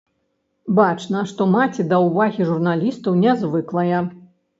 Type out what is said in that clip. Бачна, што маці да ўвагі журналістаў не звыклая.